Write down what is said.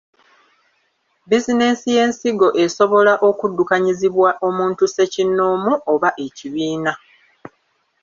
Bizinensi y’ensigo esobola okuddukanyizibwa omuntu ssekinnoomu oba ekibiina.